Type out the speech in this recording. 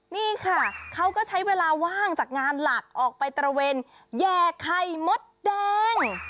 นี่ค่ะเขาก็ใช้เวลาว่างจากงานหลักออกไปตระเวนแห่ไข่มดแดง